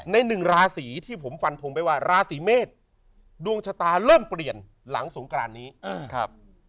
หนึ่งราศีที่ผมฟันทงไปว่าราศีเมษดวงชะตาเริ่มเปลี่ยนหลังสงกรานนี้ครับ